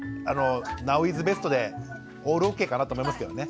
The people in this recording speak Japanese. ナウイズベストでオールオッケーかなと思いますけどね。